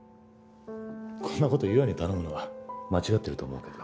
こんな事優愛に頼むのは間違ってると思うけど。